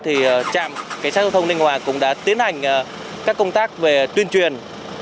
thì trạm cảnh sát giao thông ninh hòa cũng đã tiến hành các công tác về tuyên truyền